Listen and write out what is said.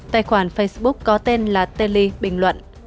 tài khoản facebook có tên là tê ly bình luận